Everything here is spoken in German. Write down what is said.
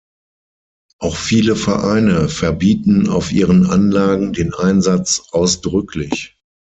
Auch viele Vereine verbieten auf ihren Anlagen den Einsatz ausdrücklich.